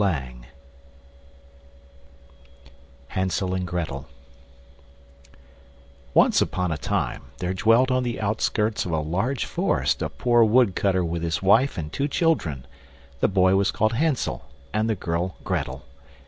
HANSEL AND GRETTEL Once upon a time there dwelt on the outskirts of a large forest a poor woodcutter with his wife and two children; the boy was called Hansel and the girl Grettel.